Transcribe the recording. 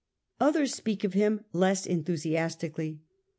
Others speak of him less en thusiastically.